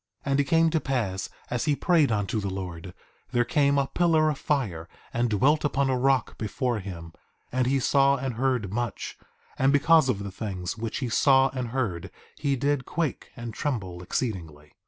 1:6 And it came to pass as he prayed unto the Lord, there came a pillar of fire and dwelt upon a rock before him; and he saw and heard much; and because of the things which he saw and heard he did quake and tremble exceedingly.